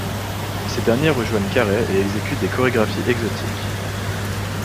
Ces derniers rejoignent Carey et exécutent des chorégraphies exotiques.